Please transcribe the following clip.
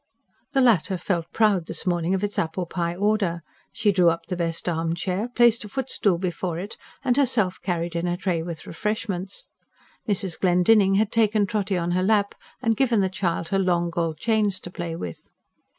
The latter felt proud this morning of its apple pie order. She drew up the best armchair, placed a footstool before it and herself carried in a tray with refreshments. Mrs. Glendinning had taken Trotty on her lap, and given the child her long gold chains to play with.